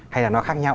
hay là nó khác nhau